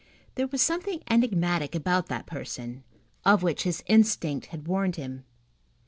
There was something enigmatic about that person, of which his instinct had warned him.